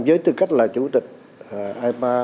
với tư cách là chủ tịch ipa